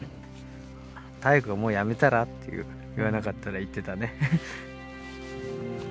妙子が「もうやめたら？」と言わなかったら行ってたね。